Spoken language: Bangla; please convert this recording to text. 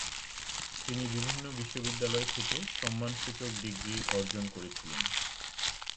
তিনি বিভিন্ন বিশ্ববিদ্যালয় থেকে সম্মানসূচক ডিগ্রী অর্জ্জন করেছিলেন।